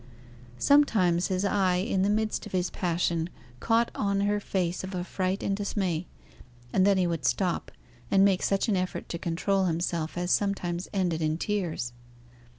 Sometimes his eye in the midst of his passion caught on her face of affright and dismay, and then he would stop, and make such an effort to control himself as sometimes ended in tears.